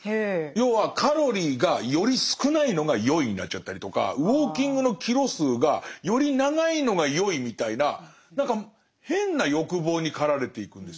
要はカロリーがより少ないのがよいになっちゃったりとかウォーキングのキロ数がより長いのがよいみたいな何か変な欲望に駆られていくんですよ。